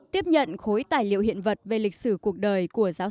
tiếp nhận khối tài liệu hiện vật về lịch sử cuộc đời